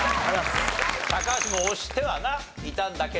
高橋も押してはないたんだけれども。